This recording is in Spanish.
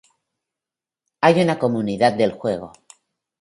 Hay una comunidad del juego.